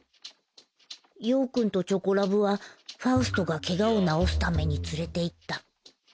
葉くんとチョコラブはファウストがケガを治すために連れていった。